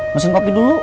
mesin kopi dulu